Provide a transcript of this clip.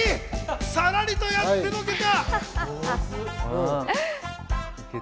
さらりとやってのけた。